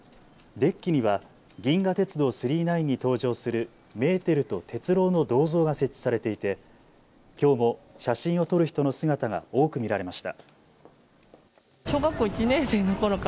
デッキには銀河鉄道９９９に登場するメーテルと鉄郎の銅像が設置されていて、きょうも写真を撮る人の姿が多く見られました。